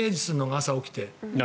朝起きて。